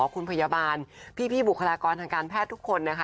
คุณพยาบาลพี่บุคลากรทางการแพทย์ทุกคนนะคะ